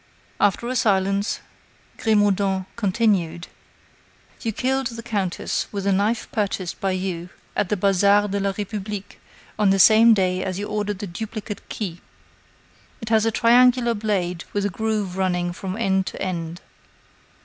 After a silence, Grimaudan continued: "You killed the countess with a knife purchased by you at the Bazar de la Republique on the same day as you ordered the duplicate key. It has a triangular blade with a groove running from end to end."